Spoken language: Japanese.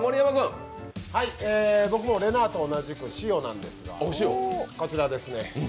僕もれなぁと同じく塩なんですが、こちらですね。